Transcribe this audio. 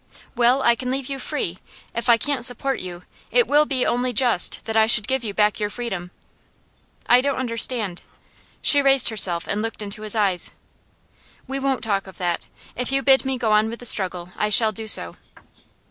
'Well, I can leave you free. If I can't support you, it will be only just that I should give you back your freedom.' 'I don't understand ' She raised herself and looked into his eyes. 'We won't talk of that. If you bid me go on with the struggle, I shall do so.